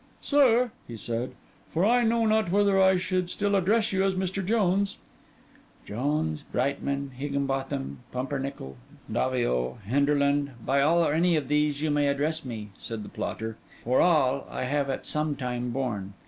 'Sir,' he said—'for I know not whether I should still address you as Mr. Jones—' 'Jones, Breitman, Higginbotham, Pumpernickel, Daviot, Henderland, by all or any of these you may address me,' said the plotter; 'for all I have at some time borne.